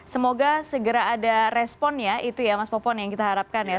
semoga segera ada respon ya itu ya mas popon yang kita harapkan ya